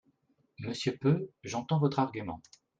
Monsieur Peu, j’entends votre argument.